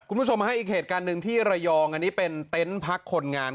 คุณผู้ชมฮะอีกเหตุการณ์หนึ่งที่ระยองอันนี้เป็นเต็นต์พักคนงาน